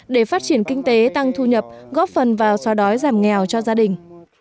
để phát triển kinh tế tăng thu nhập góp phần vào xóa đói giảm nghèo cho gia đình